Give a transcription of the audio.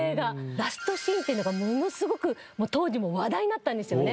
ラストシーンっていうのがものすごく当時話題になったんですよね。